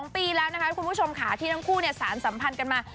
๒ปีแล้วนะคะคุณผู้ชมค่ะที่ทั้งคู่สารสัมพันธ์กันมา